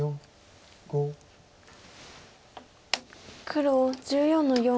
黒１４の四。